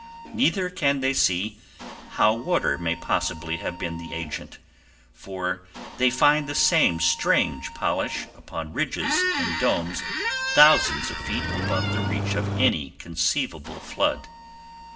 Neither can they see how water may possibly have been the agent, for they find the same strange polish upon ridges and domes thousands of feet above the reach of any conceivable flood.